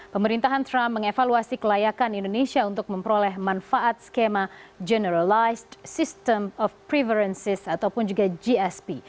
pemerintahan trump mengevaluasi kelayakan indonesia untuk memperoleh manfaat skema generalized system of preferences ataupun juga gsp